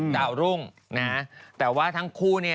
ดาวรุ้งนะฮะแต่ว่าทั้งคู่